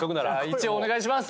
１お願いします。